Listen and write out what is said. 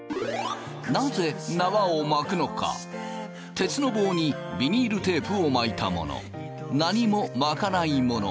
鉄の棒にビニールテープを巻いたもの何も巻かないもの